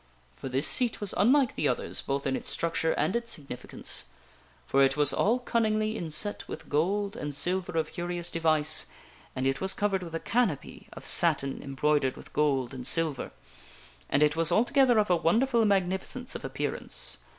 For this seat was unlike the others both in its structure and its significance ; for it was all cunningly inset with gold and silver of curious device, and it was covered with a canopy of sat 136 THE WINNING OF A QUEEN in embroidered with gold and silver ; and it was altogether of a wonder ful magnificence of appearance.